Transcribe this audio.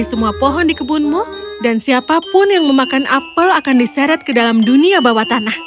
semua pohon di kebunmu dan siapapun yang memakan apel akan diseret ke dalam dunia bawah tanah